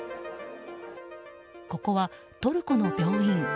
ここはトルコの病院。